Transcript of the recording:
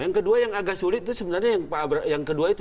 yang kedua yang agak sulit itu sebenarnya yang kedua itu